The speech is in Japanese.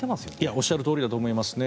おっしゃるとおりだと思いますね。